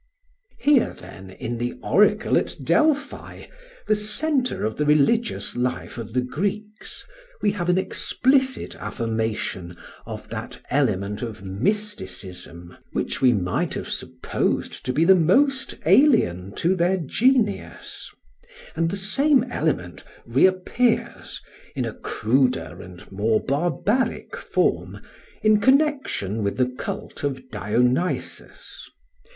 ] Here then, in the oracle at Delphi, the centre of the religious life of the Greeks, we have an explicit affirmation of that element of mysticism which we might have supposed to be the most alien to their genius; and the same element re appears, in a cruder and more barbaric form, in connection with the cult of Dionysus.